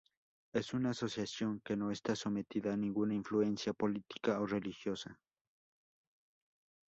Es una asociación que no está sometida a ninguna influencia política o religiosa.